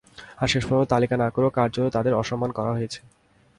আর শেষ পর্যন্ত তালিকা না করে কার্যত তাঁদের অসম্মান করা হয়েছে।